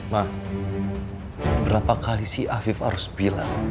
nah berapa kali si afif harus bilang